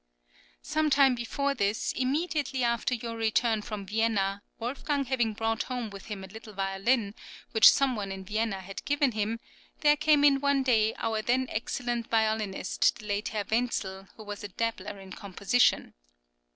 Some time before this, immediately after your return from Vienna, Wolfgang having brought home with him a little violin which some one in Vienna had given him, there came in one day our then excellent violinist the late Herr Wentzl, who was a dabbler in composition.